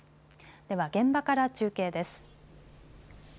では現場から中継です。